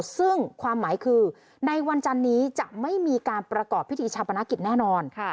ซึ่งความหมายคือในวันจันนี้จะไม่มีการประกอบพิธีชาปนกิจแน่นอน